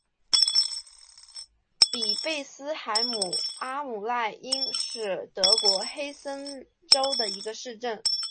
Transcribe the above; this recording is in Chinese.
比贝斯海姆阿姆赖因是德国黑森州的一个市镇。